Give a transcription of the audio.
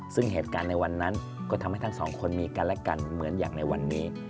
ซึ่งเหตุการณ์ในวันนั้นก็ทำให้ทั้งสองคนมีกันและกันเหมือนอย่างในวันนี้